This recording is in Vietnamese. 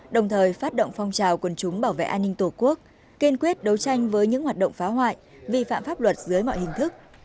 đồng thời phát động phong trào quần chúng bảo vệ an ninh tổ quốc kiên quyết đấu tranh với những hoạt động phá hoại vi phạm pháp luật dưới mọi hình thức